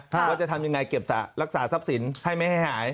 ว่าจะทำยังไงเก็บรักษาทรัพย์สินให้ไม่ให้หาย